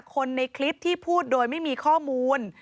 คนในคลิปที่พูดโดยไม่มีข้อมูล